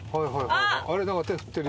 何か手振ってる。